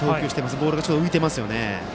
ボールがちょっと浮いてますよね。